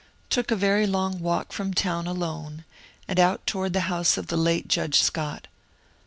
Took a very long walk from town alone, and out toward the house of the late Judge Scott.